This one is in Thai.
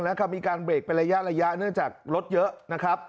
และมีการเบรกเป็นระยะระยะเนื่องจากรถเยอะ